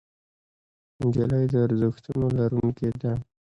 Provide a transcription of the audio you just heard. نجلۍ د ارزښتونو لرونکې ده.